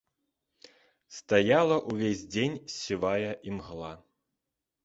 Стаяла ўвесь дзень сівая імгла.